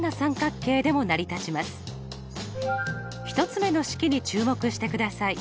１つ目の式に注目してください。